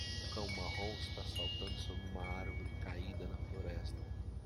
Um cão marrom está saltando sobre uma árvore caída na floresta.